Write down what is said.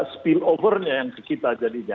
spillover nya yang ke kita jadinya